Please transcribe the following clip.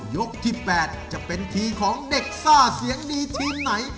ยกที่๘จะเป็นทีมของเด็กซ่าเสียงดีทีมไหน